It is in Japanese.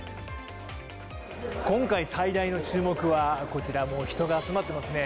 今回最大の注目はこちら、もう人が集まってますね。